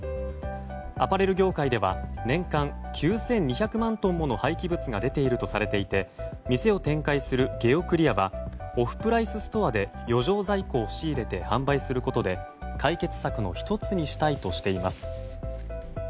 アパレル業界では年間９２００万トンの廃棄物が出ているとされていて店を展開するゲオクリアはオフプライスストアで余剰在庫を仕入れて販売することで解決策の１つにしたいとしています。